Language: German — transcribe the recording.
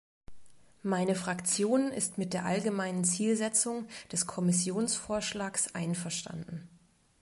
Meine Fraktion ist mit der allgemeinen Zielsetzung des Kommissionsvorschlags einverstanden.